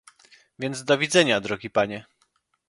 "Więc do widzenia, drogi panie."